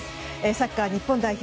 サッカー日本代表